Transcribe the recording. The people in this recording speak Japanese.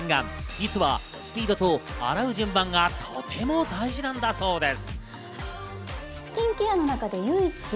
実はスピードと洗う順番がとても大事なんだそうです。